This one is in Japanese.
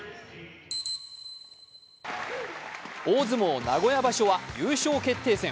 大相撲名古屋場所は優勝決定戦。